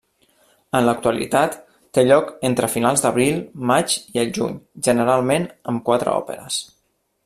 En l'actualitat té lloc entre finals d'abril, maig i el juny, generalment amb quatre òperes.